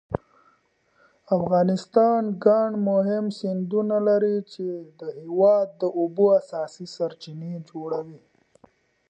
افغانستان ګڼ مهم سیندونه لري چې د هېواد د اوبو اساسي سرچینې جوړوي.